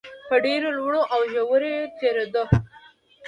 په ډېرو لوړو او ژورو د تېرېدو